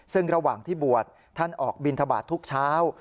ซึ่งระหว่างที่บวชท่านออกบินทบาททุกเช้า